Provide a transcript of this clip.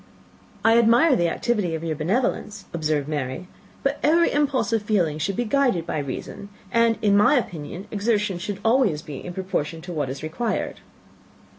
"I admire the activity of your benevolence," observed Mary, "but every impulse of feeling should be guided by reason; and, in my opinion, exertion should always be in proportion to what is required."